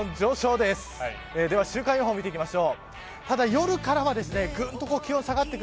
では、週間予報見ていきましょう。